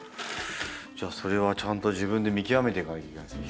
それはちゃんと自分で見極めていかなきゃいけないですね